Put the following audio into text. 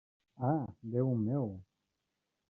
Ah, Déu meu!